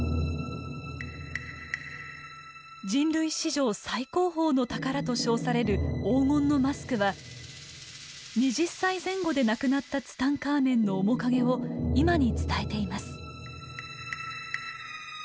「人類史上最高峰の宝」と称される黄金のマスクは２０歳前後で亡くなったツタンカーメンの面影を今に伝えています。